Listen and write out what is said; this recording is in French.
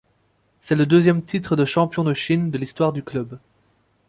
C'est le deuxième titre de champion de Chine de l'histoire du club.